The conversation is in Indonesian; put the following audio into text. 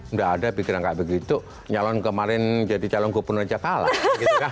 nggak ada bikinan kayak begitu nyalon kemarin jadi calon gubernur jakarta gitu kan